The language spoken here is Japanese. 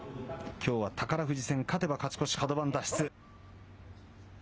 きょうは宝富士戦、勝てば勝ち越し、角番脱出。